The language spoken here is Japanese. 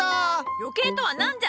余計とは何じゃ！